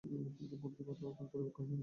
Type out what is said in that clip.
কিন্তু বুদ্ধি তোমার এখনও পরিপক্ক হয়নি।